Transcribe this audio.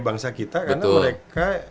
bangsa kita karena mereka